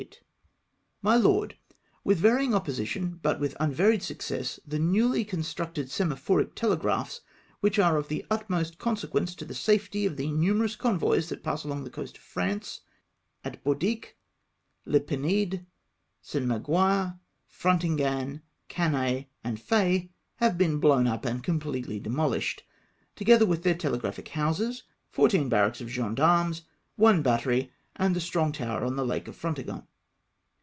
Mt Lord, — With varying opposition, but mth unvaried success, the newly constructed semaphoric telegraphs —■ which are of the utmost consequence to the safety of the numerous convoys that pass along the coast of France — at Bourdique, La Pinede, St. Maguire, Frontignan, Canet, and Fay, have been blown up and completely demolished, to gether with their telegraph houses, fourteen barracks of gens LETTER OF LORD COCHRANE. 289 cUarmes, one battery, and the strong tower on the lake of Frontignan.